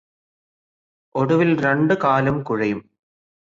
ഒടുവില് രണ്ടു കാലും കുഴയും